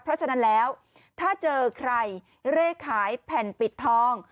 เพราะฉะนั้นแล้วถ้าเจอใครเลขขายแผ่นปิดทอง